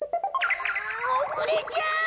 おくれちゃう！